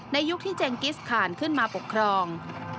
ยุคที่เจนกิสผ่านขึ้นมาปกครอง